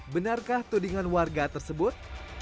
benarkah tudingan warga tersebut